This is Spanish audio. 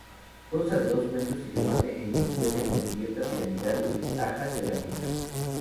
Consta de dos cuerpos y remate en templete con cubierta piramidal de taja cerámica.